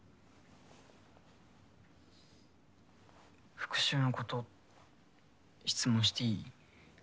復讐のこと質問していい？